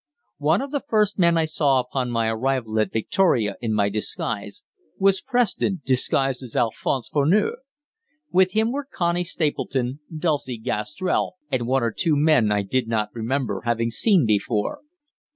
One of the first men I saw upon my arrival at Victoria in my disguise was Preston disguised as Alphonse Furneaux. With him were Connie Stapleton, Dulcie, Gastrell, and one or two men I did not remember having seen before.